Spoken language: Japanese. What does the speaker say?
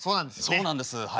そうなんですはい。